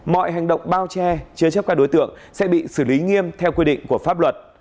mọi hành động bao che chứa chấp các đối tượng sẽ bị xử lý nghiêm theo quy định của pháp luật